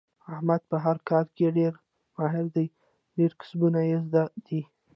احمد په هر کار کې ډېر ماهر دی. ډېر کسبونه یې زده دي.